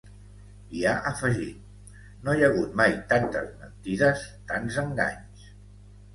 I ha afegit: No hi ha hagut mai tantes mentides, tants enganys.